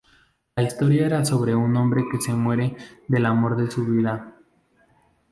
La historia era sobre un hombre que se muere del amor de su vida.